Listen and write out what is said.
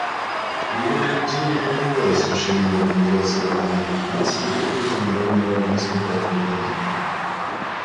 Ее проведение не являлось решением Организации Объединенных Наций или Международного агентства по атомной энергии.